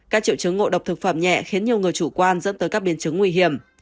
các triệu chứng ngộ độc thực phẩm nhẹ khiến nhiều người chủ quan dẫn tới các biến chứng nguy hiểm